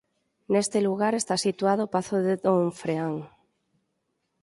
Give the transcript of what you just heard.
Neste lugar está situado o pazo de Donfreán.